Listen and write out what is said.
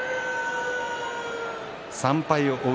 ３敗を追う